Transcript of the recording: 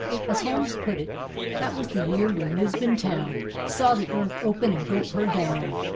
As Holmes puts it, — "That was the year when Lisbon town Saw the earth open and gulp her down."